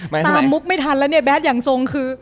ยังไงนะตามมุกไม่ทันแล้วเนี่ยแบ๊ดอย่างทรงคือ